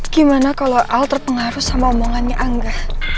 gimana kalau al terpengaruh sama omongannya angga